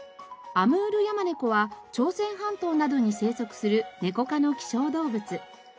アムールヤマネコは朝鮮半島などに生息するネコ科の希少動物。